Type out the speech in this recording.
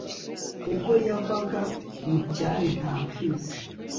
ubwo yavaga mu cyari, nta mpfizi